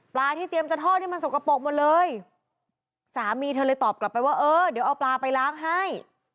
ที่เตรียมจะทอดนี่มันสกปรกหมดเลยสามีเธอเลยตอบกลับไปว่าเออเดี๋ยวเอาปลาไปล้างให้